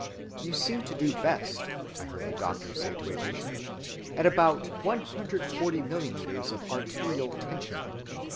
You seem to do best, I heard a doctor say to a patient, at about 140 millimeters of arterial tension.